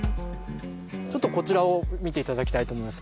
ちょっとこちらを見て頂きたいと思います。